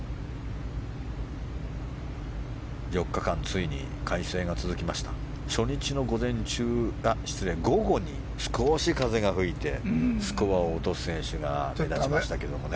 ４日間、ついに快晴が続きました初日の午後に少し風が吹いてスコアを落とす選手が目立ちましたけどね。